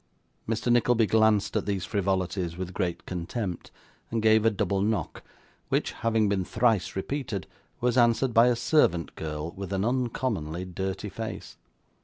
Mr. Nickleby glanced at these frivolities with great contempt, and gave a double knock, which, having been thrice repeated, was answered by a servant girl with an uncommonly dirty face.